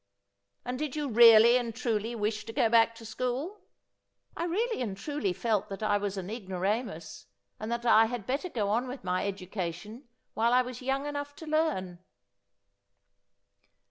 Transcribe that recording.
' And did you really and truly wish to go back to school ?'' I really and truly felt that I was an ignoramus, and that I had better go on with my education while I was young enough to learn.'